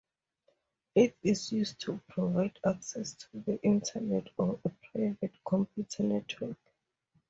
It is used to provide access to the Internet or a private computer network.